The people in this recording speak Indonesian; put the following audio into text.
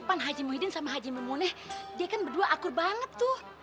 pan haji muhyiddin sama haji memoleh dia kan berdua akur banget tuh